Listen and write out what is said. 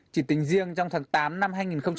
chỉ tính riêng trong tháng tám năm hai nghìn một mươi chín